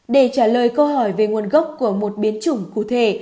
để trả lời câu hỏi về nguồn gốc của một biến chủng cụ thể